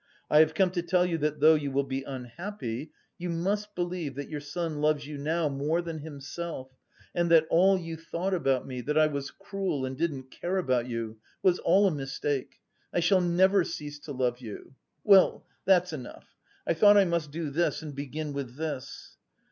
"I have come to tell you that though you will be unhappy, you must believe that your son loves you now more than himself, and that all you thought about me, that I was cruel and didn't care about you, was all a mistake. I shall never cease to love you.... Well, that's enough: I thought I must do this and begin with this...."